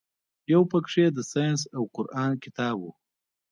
يو پکښې د ساينس او قران کتاب و.